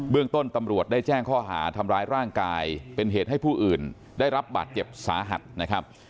เรื่องต้นตำรวจได้แจ้งข้อหาทำร้ายร่างกายเป็นเหตุให้ผู้อื่นได้รับบาดเจ็บสาหัสนะครับ